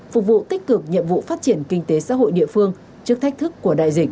phục vụ tích cực nhiệm vụ phát triển kinh tế xã hội địa phương trước thách thức của đại dịch